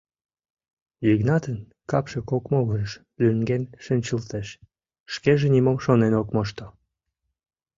— Йыгнатын капше кок могырыш лӱҥген шинчылтеш, шкеже нимом шонен ок мошто.